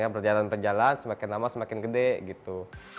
berjalan berjalan semakin lama semakin gede gitu